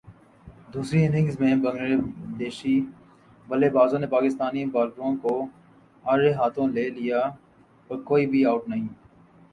دوسری اننگز میں بنگلہ دیشی بلے بازوں نے پاکستانی بالروں کو اڑھے ہاتھوں لے لیا پر کوئی بھی اوٹ نہیں